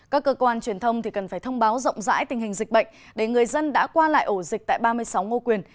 các cơ quan truyền thông cần phải thông báo rộng rãi tình hình dịch bệnh để người dân đã qua lại ổ dịch tại ba mươi sáu ngô quyền